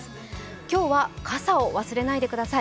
今日は傘を忘れないでください。